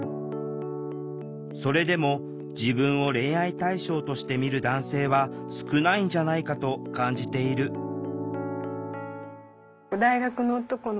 それでも自分を恋愛対象として見る男性は少ないんじゃないかと感じている分かります？